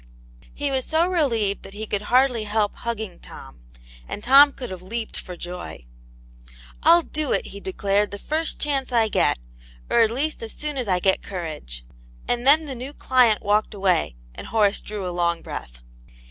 He was so relieved that he could hardly help hugging Tom ; and Tom could have leaped for joy, "I'll do it," he declared, "the first chance I get. Or at least as soon as I get courage." And then the new client walked away, and Horace drew a long breath.